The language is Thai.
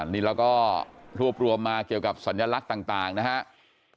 นี่เราก็รวบรวมมาเกี่ยวกับสัญลักษณ์ต่างนะครับ